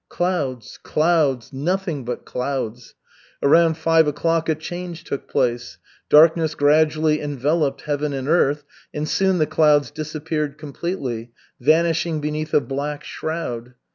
Clouds, clouds, nothing but clouds! Around five o'clock a change took place, darkness gradually enveloped heaven and earth, and soon the clouds disappeared completely, vanishing beneath a black shroud.